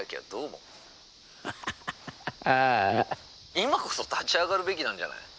「今こそ立ち上がるべきなんじゃない？」。